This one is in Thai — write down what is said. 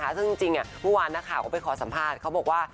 ค่ะซึ่งจริงจริงอย่าง่ะผู้ว่าน่ะค่ะก็ไปขอสัมภาษณ์เขาบอกว่า